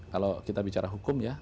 kalau kita bicara hukum ya